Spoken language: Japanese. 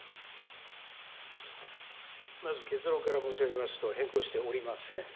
まず結論から申し上げますと、変更しておりません。